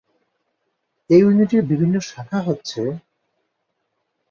এই ইউনিটের বিভিন্ন শাখা হচ্ছেঃ